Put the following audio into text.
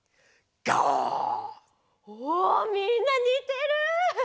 おみんなにてる！